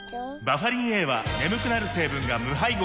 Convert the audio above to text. バファリンＡは眠くなる成分が無配合なんです